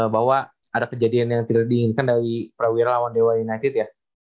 bahwa ada kejadian yang tidak diinginkan dari prawira lawan dewa united ya